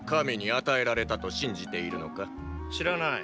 知らない。